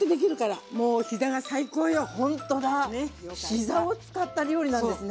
膝を使った料理なんですね。